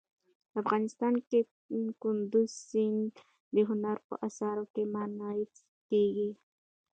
افغانستان کې کندز سیند د هنر په اثار کې منعکس کېږي.